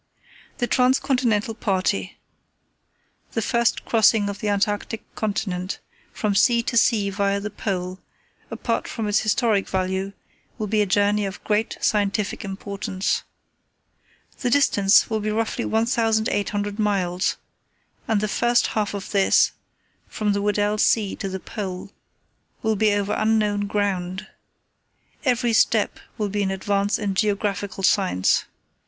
"The Trans continental Party. "The first crossing of the Antarctic continent, from sea to sea via the Pole, apart from its historic value, will be a journey of great scientific importance. "The distance will be roughly 1800 miles, and the first half of this, from the Weddell Sea to the Pole, will be over unknown ground. Every step will be an advance in geographical science.